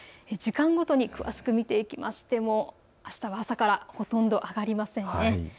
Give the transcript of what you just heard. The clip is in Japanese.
時間ごとに詳しく見ていきましても、あしたは朝からほとんど上がりません。